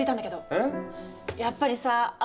えっ？